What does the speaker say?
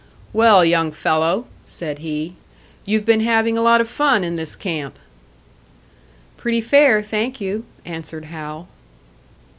"Well, young fellow," said he, "you've been having a lot of fun in this camp." "Pretty fair, thank you," answered Hal.